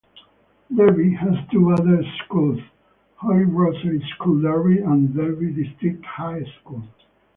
Derby has two other schools, Holy Rosary School Derby and Derby District High School.